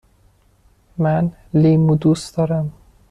من لیمو دوست دارم.